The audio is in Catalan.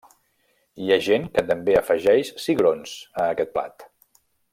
Hi ha gent que també afegeix cigrons a aquest plat.